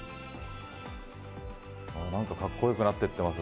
なんか格好良くなっていってます。